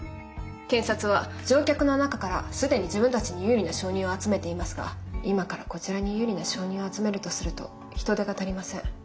検察は乗客の中から既に自分たちに有利な証人を集めていますが今からこちらに有利な証人を集めるとすると人手が足りません。